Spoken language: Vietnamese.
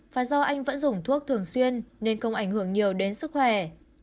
và do anh vẫn dùng thuốc thường xuyên nên không ảnh hưởng nhiều đến sức khỏe